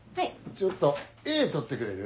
ちょっと「Ａ」取ってくれる？